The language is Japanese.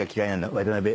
「渡辺！」